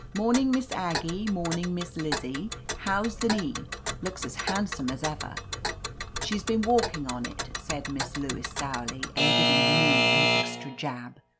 "Morning, Miss Aggie, morning. Miss Lizzie. How's the knee? Looks as handsome as ever.'* "She's been walking on it," said Miss Lewis sourly, and giving the knee an extra jab.